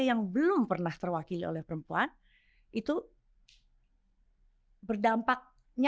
yang belum pernah terwakili oleh perempuan itu berdampaknya